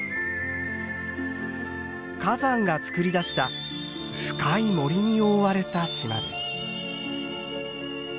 火山がつくり出した深い森に覆われた島です。